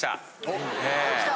きた！